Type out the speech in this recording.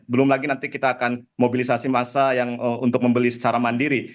belum lagi nanti kita akan mobilisasi massa yang untuk membeli secara mandiri